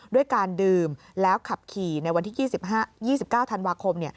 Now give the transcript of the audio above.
ด้วยการดื่มแล้วขับขี่ในวันที่๒๙ธันวาคม